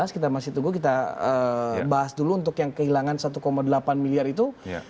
kita masih tunggu kita bahas dulu untuk yang kehilangan satu delapan miliar itu